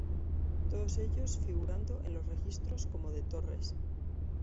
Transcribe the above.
Todos ellos figurando en los registros como "de Torres".